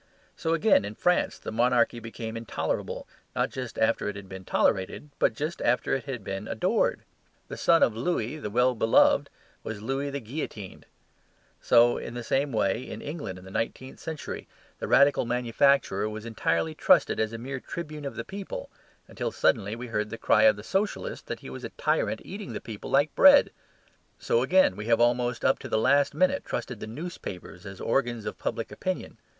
So, again, in France the monarchy became intolerable, not just after it had been tolerated, but just after it had been adored. The son of Louis the well beloved was Louis the guillotined. So in the same way in England in the nineteenth century the Radical manufacturer was entirely trusted as a mere tribune of the people, until suddenly we heard the cry of the Socialist that he was a tyrant eating the people like bread. So again, we have almost up to the last instant trusted the newspapers as organs of public opinion.